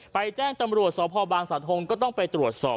แจ้งตำรวจสพบางสะทงก็ต้องไปตรวจสอบ